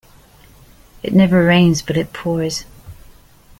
It never rains but it pours.